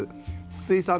筒井さん。